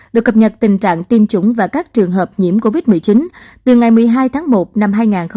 được cập nhật tình trạng tiêm chủng và các trường hợp nhiễm covid một mươi chín từ ngày một mươi hai tháng một năm hai nghìn hai mươi